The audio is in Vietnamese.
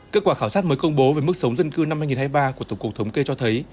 kết quả khảo sát mới công bố về mức sống dân cư năm hai nghìn hai mươi ba của tổng cục thống kê cho thấy